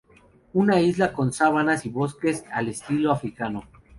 Una isla con sabanas y bosques al estilo africano.